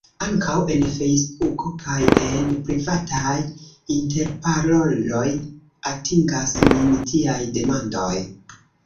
Ankaŭ en Fejsbuko, kaj en privataj interparoloj, atingas min tiaj demandoj.